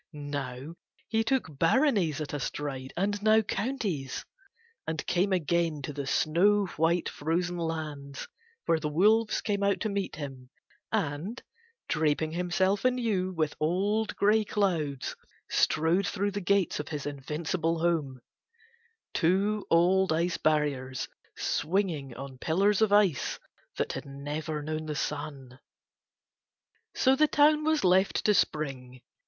Now he took baronies at a stride and now counties and came again to the snow white frozen lands where the wolves came out to meet him and, draping himself anew with old grey clouds, strode through the gates of his invincible home, two old ice barriers swinging on pillars of ice that had never known the sun. So the town was left to Spring.